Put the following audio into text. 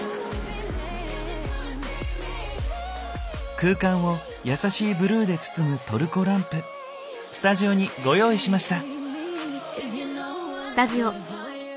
空間を優しいブルーで包むトルコランプスタジオにご用意しました。